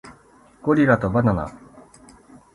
ゴリラとバナナ